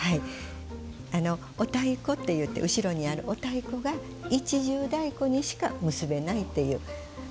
お太鼓っていって後ろにある太鼓が一重太鼓にしか結べないっていう。